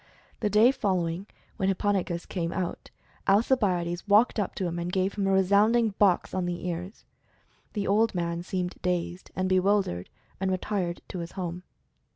The day following, when Hipponikos came out, Alcibiades walked up to him and gave him a resounding box on the ears. The old man seemed dazed and bewildered and retired to his home.